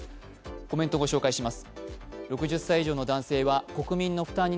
コメントをご紹介します。